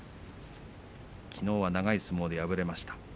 きのうは長い相撲で敗れました。